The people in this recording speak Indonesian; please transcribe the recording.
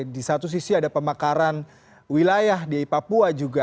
di satu sisi ada pemakaran wilayah di papua juga